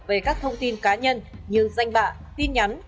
về các thông tin cá nhân như danh bạ tin nhắn